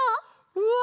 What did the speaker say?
うわ！